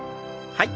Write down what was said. はい。